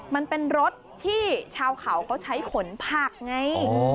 มันเป็นรถที่ชาวเขาเขาใช้ขนผักไง